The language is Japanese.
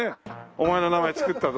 「お前の名前作ったぞ」